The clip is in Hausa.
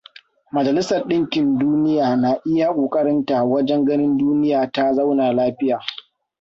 Majalisar ɗinkin duniya na iya ƙoƙarinta wajen ganin duniya ta zauna lafiya.